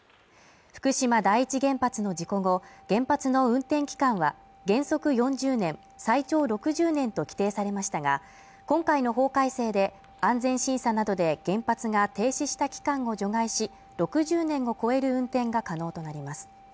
福島第一原発の事故後、原発の運転期間は原則４０年、最長６０年と規定されましたが、今回の法改正で、安全審査などで原発が停止した期間を除外し、６０年を超える運転が可能となります。